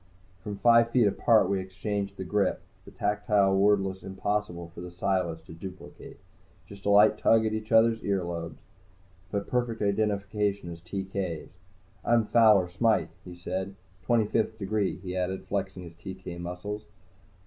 From five feet apart we exchanged the grip, the tactile password impossible for the Psiless to duplicate just a light tug at each other's ear lobes, but perfect identification as TK's. "I'm Fowler Smythe," he said. "Twenty fifth degree," he added, flexing his TK muscles.